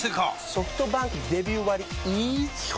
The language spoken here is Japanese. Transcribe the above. ソフトバンクデビュー割イズ基本